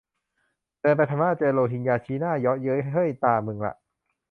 เดินไปพม่า เจอโรฮิงญาชี้หน้าเยาะเย้ย เฮ่ยตามึงละ